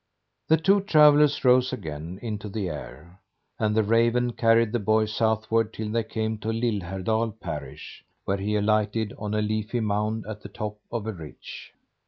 The two travellers rose again into the air and the raven carried the boy southward till they came to Lillhärdal Parish, where he alighted on a leafy mound at the top of a ridge.